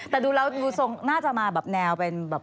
แต่ดูเราดูทรงน่าจะมาแนวเป็น